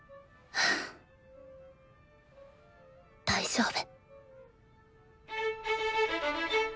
大丈夫。